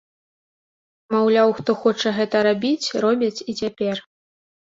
Маўляў, хто хоча гэта рабіць, робіць і цяпер.